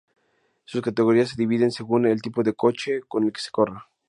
Sus categorías se dividen según el tipo de coche con el que se corra.